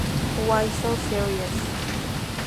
Why So Serious?